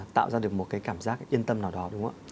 tạo ra được một cái cảm giác yên tâm nào đó đúng không ạ